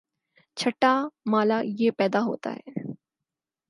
چھٹا مألہ یہ پیدا ہوتا ہے